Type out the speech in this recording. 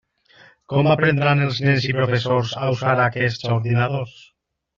Com aprendran els nens i professors a usar aquests ordinadors?